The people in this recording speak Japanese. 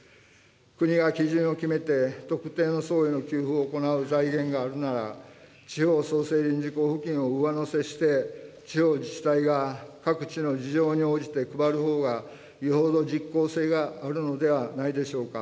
国が基準を決めて特定の層への給付を行う財源があるなら、地方創生臨時交付金を上乗せして、地方自治体が各地の事情に応じて配るほうがよほど実効性があるのではないでしょうか。